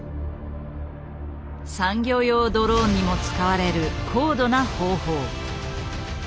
産業用ドローンにも使われる高度な方法。